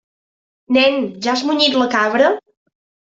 Nen, ja has munyit la cabra?